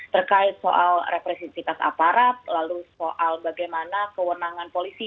terkait soal represifitas aparat lalu soal bagaimana kewenangan polisi